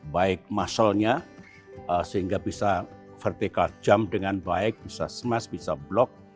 baik musculenya sehingga bisa vertical jump dengan baik bisa smash bisa block